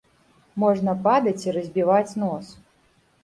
Можна падаць і разбіваць нос.